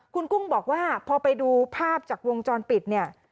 คุณกุ้งบอกว่าพอไปดูภาพจากวงจรปิดเนี่ย